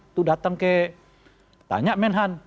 itu datang ke tanya menhan